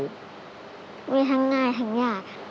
มีทั้งง่ายทั้งยาก